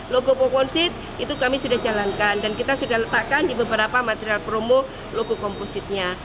logo poponsit itu kami sudah jalankan dan kita sudah letakkan di beberapa material promo logo kompositnya